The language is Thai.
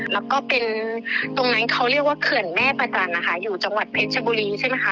แล้วก็เป็นตรงนั้นเขาเรียกว่าเขื่อนแม่ประจันทร์นะคะอยู่จังหวัดเพชรชบุรีใช่ไหมคะ